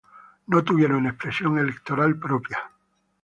No tuvieron expresión electoral propia.